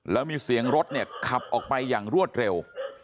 แล้วมีเสียงรถเนี่ยขับออกไปอย่างรวดเร็ว